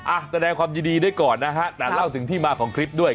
อ่ะแสดงความยินดีได้ก่อนนะฮะแต่เล่าถึงที่มาของคลิปด้วย